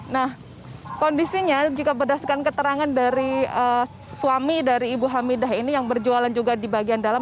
nah kondisinya jika berdasarkan keterangan dari suami dari ibu hamidah ini yang berjualan juga di bagian dalam